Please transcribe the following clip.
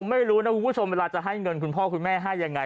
ไม่รู้นะคุณผู้ชมเวลาจะให้เงินคุณพ่อคุณแม่ให้ยังไง